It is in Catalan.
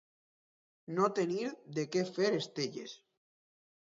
No tenir de què fer estelles.